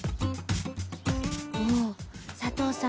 おお佐藤さん